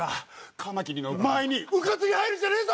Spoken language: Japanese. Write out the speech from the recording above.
カマキリの前にうかつに入るんじゃねえぞ！